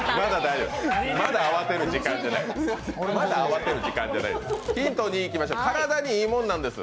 まだ慌てる時間じゃないです。